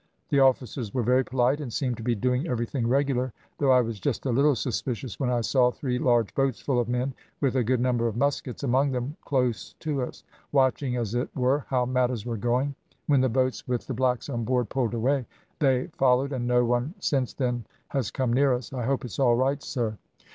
The officers were very polite, and seemed to be doing everything regular, though I was just a little suspicious when I saw three large boats full of men, with a good number of muskets among them close to us, watching, as it were, how matters were going. When the boats with the blacks on board pulled away, they followed, and no one since then has come near us. I hope it's all right, sir?'